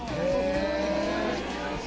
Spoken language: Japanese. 「へえ！」